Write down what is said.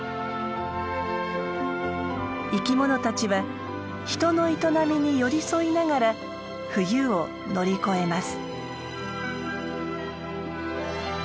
生きものたちは人の営みに寄り添いながら冬を乗り越えます。